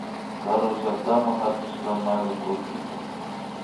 Karu llaktama katushka manukullki